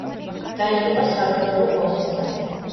დაიღუპა საბრძოლო პოსტზე.